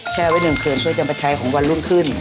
แช่ไว้นึงเครื่องเพื่อจะมาใช้ของวันรุ่นขึ้น